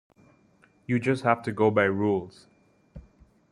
You just have to go by rules.